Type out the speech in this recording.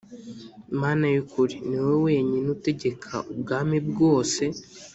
Mana y ukuri ni wowe wenyine utegeka ubwami bwose